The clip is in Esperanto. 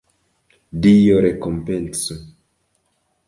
Dio rekompencu!